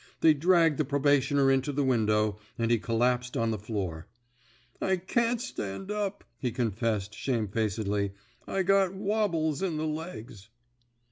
They dragged the probationer into the window, and he collapsed on the floor. I can't stand up," he confessed, shamefacedly. I got wab bles in the legs."